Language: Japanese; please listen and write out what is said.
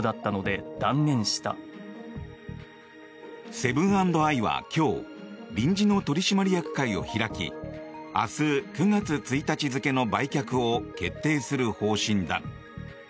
セブン＆アイは今日臨時の取締役会を開き明日９月１日付の売却を決定する方針だ。